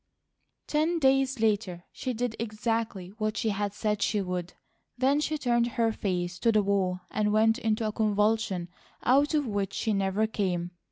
Ten days later she did exactly what she had said she would. Then she turned her face to the wall and went into a convulsion out of which she never came.